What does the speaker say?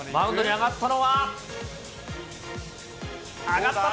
上がったのは。